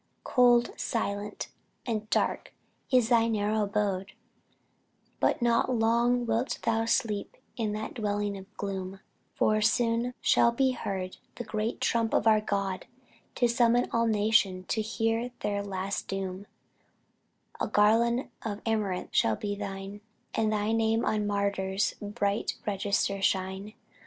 Cold, silent and dark is thy narrow abode But not long wilt thou sleep in that dwelling of gloom, For soon shall be heard the great trump of our God To summon all nations to hear their last doom; A garland of amaranth then shall be thine, And thy name on the martyrs' bright register shine.